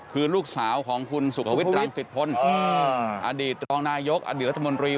คือลูกสาวของคุณสุขวิทยรังสิตพลอดีตรองนายกอดีตรัฐมนตรี